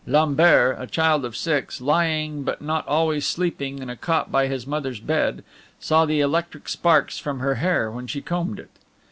Lambert, a child of six, lying, but not always sleeping, in a cot by his mother's bed, saw the electric sparks from her hair when she combed it.